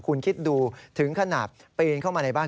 คุณคิดดูถึงขนาดปีนเข้ามาในบ้าน